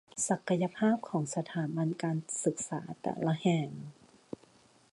ศักยภาพของสถาบันการศึกษาแต่ละแห่ง